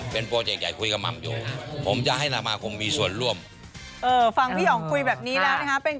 เป็นโปรเจคใหญ่ปูยกับหม่ำโย